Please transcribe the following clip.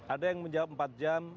ada yang menjawab empat jam